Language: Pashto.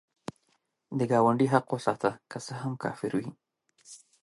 د ګاونډي حق وساته، که څه هم کافر وي